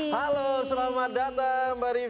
halo selamat datang mbak rifana